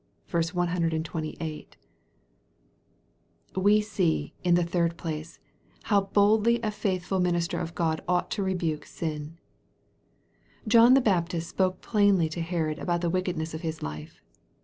~[2S.) /^ We see, in the third place, how boldly a faithful minis ter of God ought to rebuke sin. John the Baptist spoke plainly to Herod about the wickedness of his life.